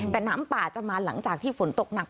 แต่น้ำป่าจะมาหลังจากที่ฝนตกหนัก